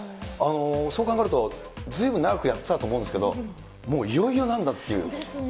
そう考えると、ずいぶん長くやってたと思うんですけれども、もういよいよなんだですね。